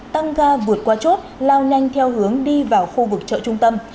tăng ga vượt qua chốt lao nhanh theo hướng đi vào khu vực chợ trung tâm